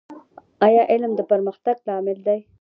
ایا علم د پرمختګ لامل دی؟